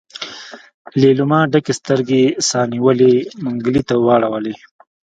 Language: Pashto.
ليلما ډکې سترګې سا نيولي منګلي ته واړولې.